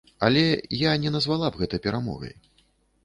Але я не назвала б гэта перамогай.